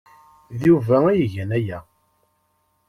D Yuba ay igan aya.